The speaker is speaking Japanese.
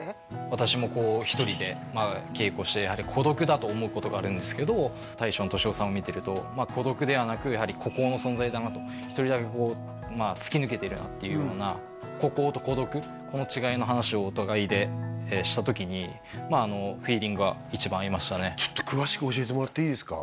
私もこう１人で稽古して孤独だと思うことがあるんですけど大将の俊雄さんを見てると孤独ではなく孤高の存在だなと１人だけ突き抜けてるなっていうようなこの違いの話をお互いでした時にちょっと詳しく教えてもらっていいですか？